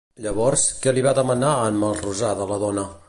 Llavors, què li va demanar en Melrosada a la dona?